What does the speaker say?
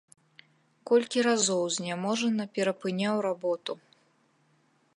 Колькі разоў зняможана перапыняў работу.